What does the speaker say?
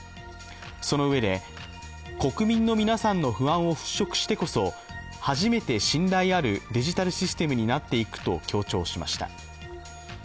そのうえで、国民の皆さんの不安を払拭してこそ初めて信頼あるデジタルシステムになっていくと強調しました。